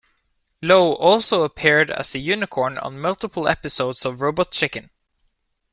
Lowe also appeared as a unicorn on multiple episodes of "Robot Chicken".